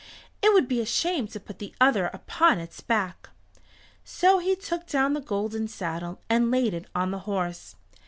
"It would be a shame to put the other upon its back." So he took down the golden saddle and laid it on the horse.